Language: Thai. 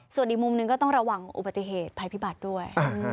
ส่วนอีกมุมหนึ่งก็ต้องระวังอุบัติเหตุภัยพิบัติด้วย